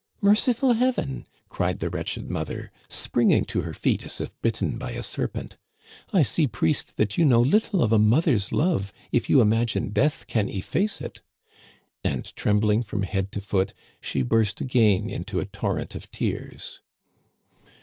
Merciful Heaven!' cried the wretched mother, springing to her feet as if bitten by a serpent ;* I see, priest, that you know little of a moth er's love if you imagine death can efface it/ And trem bling from head to foot, she burst again into a torrent of tears.